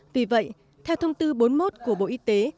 vì vậy theo thông tư bốn mươi một của bộ y tế